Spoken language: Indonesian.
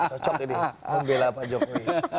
cocok ini membela pak jokowi